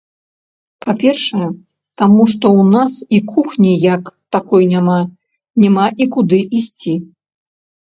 Па-першае, таму, што ў нас і кухні як такой няма, няма і куды ісці.